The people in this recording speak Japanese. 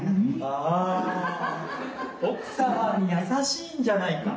あ奥様に優しいんじゃないか。